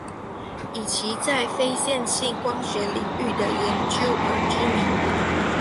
以其在非线性光学领域的研究而知名。